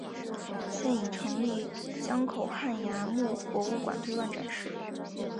现已成立江口汉崖墓博物馆对外展示。